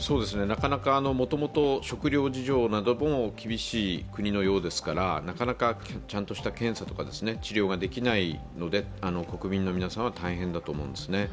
もともと食糧事情なども厳しい国のようですから、なかなかちゃんとした検査・治療ができないので、国民の皆さんは大変だと思うんですね。